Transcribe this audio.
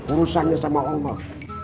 urusannya sama allah